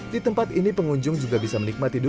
di tempat ini pengunjung juga bisa menikmati